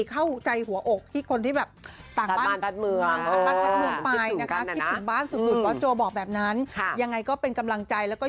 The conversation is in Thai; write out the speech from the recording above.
เข้าใจหัวอกที่คนที่แบบต่างบ้านเมือง